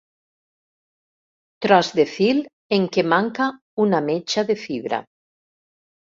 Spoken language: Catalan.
Tros de fil en què manca una metxa de fibra.